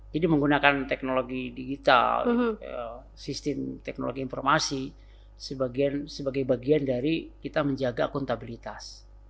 jadi menggunakan teknologi digital sistem teknologi informasi sebagai bagian dari kita menjaga akuntabilitas